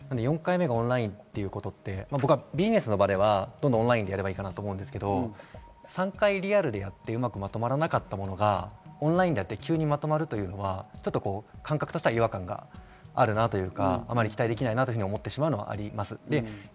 ４回目のオンラインということって、ビジネスの場ではオンラインでやればいいかなと思うんですけど、３回リアルでやってうまくまとまらなかったものがオンラインでやって急にまとまるというのは感覚として違和感があるなというか、あまり期待できないなと思ってしまうのはあります。